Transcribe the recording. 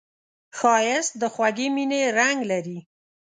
ښایست د خوږې مینې رنګ لري